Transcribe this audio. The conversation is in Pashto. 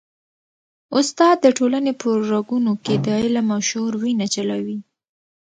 استاد د ټولني په رګونو کي د علم او شعور وینه چلوي.